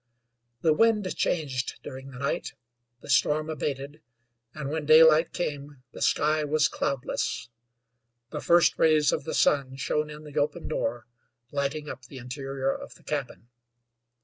The wind changed during the night, the storm abated, and when daylight came the sky was cloudless. The first rays of the sun shone in the open door, lighting up the interior of the cabin.